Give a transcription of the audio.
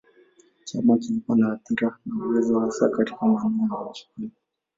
Chama kilikuwa na athira na uwezo hasa katika maeneo ya Wakikuyu.